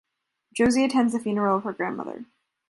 Josie attends the funeral of her grandmother.